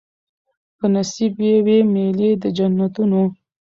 په نصیب یې وي مېلې د جنتونو